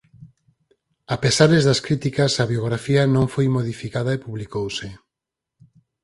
Apesares das críticas a biografía non foi modificada e publicouse.